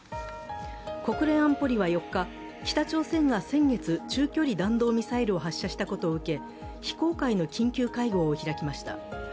国連安保理は４日、北朝鮮が先月、中距離弾道ミサイルを発射したことを受け、非公開の緊急会合を開きました。